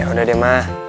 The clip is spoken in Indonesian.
yaudah deh ma